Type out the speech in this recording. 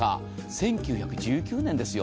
１９１９年ですよ。